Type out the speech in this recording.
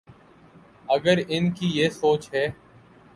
اگر ان کی یہ سوچ ہے۔